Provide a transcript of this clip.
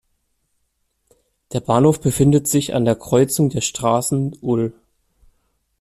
Der Bahnhof befindet sich an der Kreuzung der Straßen "ul.